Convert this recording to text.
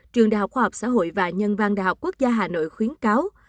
trường đại học khoa học xã hội và nhân văn đại học quốc gia hà nội khuyến cáo